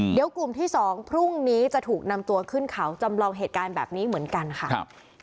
เดี๋ยวกลุ่มที่๒พรุ่งนี้จะถูกนำตัวขึ้นเขาจำลองเหตุการณ์แบบนี้เหมือนกันค่ะ